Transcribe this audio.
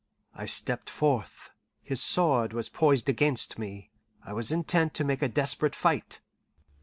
I stepped forth. His sword was poised against me. I was intent to make a desperate fight.